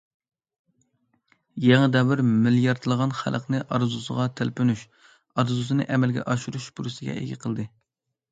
يېڭى دەۋر مىلياردلىغان خەلقنى ئارزۇسىغا تەلپۈنۈش، ئارزۇسىنى ئەمەلگە ئاشۇرۇش پۇرسىتىگە ئىگە قىلدى.